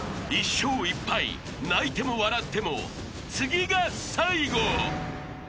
［１勝１敗泣いても笑っても次が最後！］